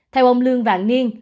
theo ông lương vạn niên